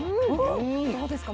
どうですか？